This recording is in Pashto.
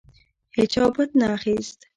هیچا بت نه اخیست.